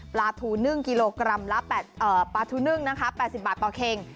ปลาทูนึ่งกิโลกรัมละ๘๐บาทต่อเข็ง